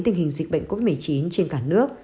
tình hình dịch bệnh covid một mươi chín trên cả nước